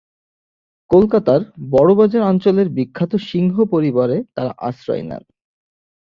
কলকাতার বড়বাজার অঞ্চলের বিখ্যাত সিংহ পরিবারে তারা আশ্রয় নেন।